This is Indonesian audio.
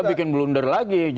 dia bikin blunder lagi